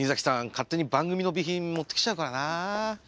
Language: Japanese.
勝手に番組の備品持ってきちゃうからな。